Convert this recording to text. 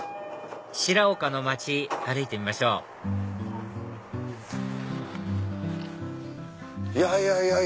白岡の町歩いてみましょういやいや